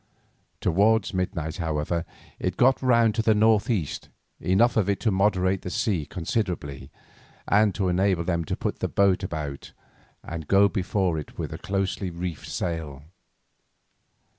Towards midnight, however, it got round to the northeast, enough of it to moderate the sea considerably, and to enable them to put the boat about and go before it with a closely reefed sail.